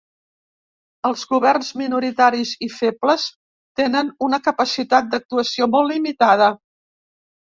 Els governs minoritaris i febles tenen una capacitat d’actuació molt limitada.